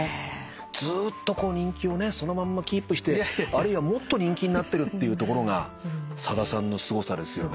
ずーっと人気をそのまんまキープしてあるいはもっと人気になってるっていうところがさださんのすごさですよね。